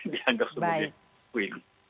dianggap sebagai perempuan